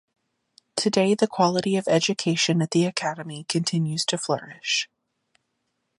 Today the quality of education at the Academy continues to flourish.